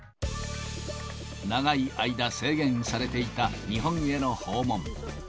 長い間制限されていた日本への訪問。